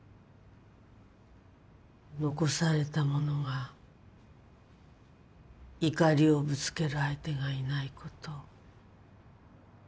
残されたものが怒りをぶつける相手がいないこと。